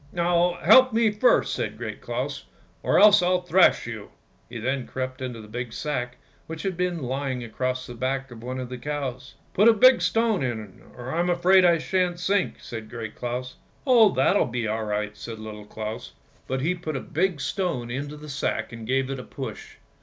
" Now, help me first," said Great Claus, " or else I'll thrash you." He then crept into a big sack which had been lying across the back of one of the cows. " Put a big stone in, or I'm afraid I shan't sink," said Great Claus. " Oh, that'll be all right," said Little Claus, but he put a big stone into the sack and gave it a push.